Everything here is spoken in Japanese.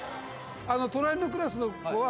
隣のクラスの子は。